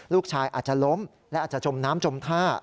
ลูกชายอาจจะล้มและอาจจะจมน้ำจมท่า